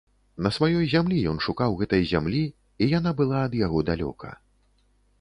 На сваёй зямлі ён шукаў гэтай зямлі, і яна была ад яго далёка.